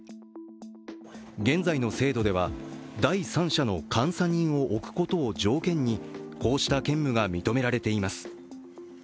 現在の制度では第三者の監査人を置くことを条件にこうした兼務が認められています。